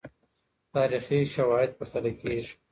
تاريخي سواهد پرتله کيږي.